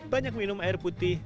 banyak minum air putih